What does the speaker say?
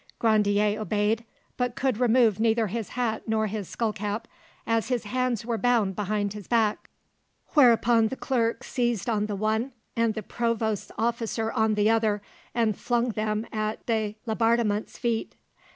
Grandier obeyed, but could remove neither his hat nor his skull cap, as his hands were bound behind his back, whereupon the clerk seized on the one and the provost's officer on the other, and flung them at de Laubardemont's feet.